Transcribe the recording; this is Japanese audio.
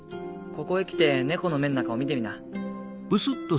ここへ来てネコの目ん中を見てみな。